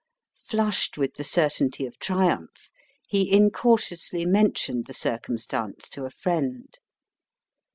Flushed with the certainty of triumph, he incautiously mentioned the circumstance to a friend.